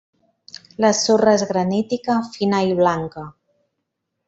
La sorra és granítica, fina i blanca.